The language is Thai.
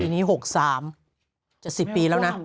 นี้๖๓จะ๑๐ปีแล้วนะ